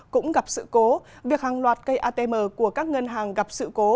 cũng gặp sự cố việc hàng loạt cây atm của các ngân hàng gặp sự cố